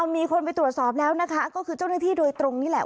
มีคนไปตรวจสอบแล้วนะคะก็คือเจ้าหน้าที่โดยตรงนี่แหละ